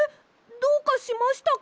どうかしましたか？